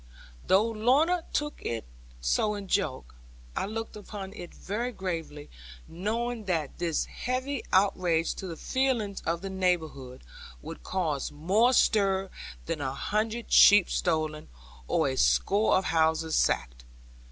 Though Lorna took it so in joke, I looked upon it very gravely, knowing that this heavy outrage to the feelings of the neighbourhood would cause more stir than a hundred sheep stolen, or a score of houses sacked.